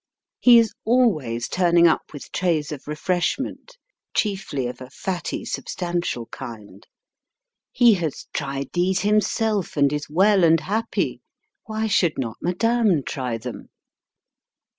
He is always turning up with trays of refreshment, chiefly of a fatty substantial kind. He has tried these himself and is well and happy. Why should not madame try them